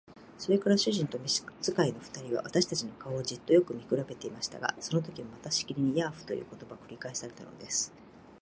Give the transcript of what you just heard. それから主人と召使の二人は、私たちの顔をじっとよく見くらべていましたが、そのときもまたしきりに「ヤーフ」という言葉が繰り返されたのです。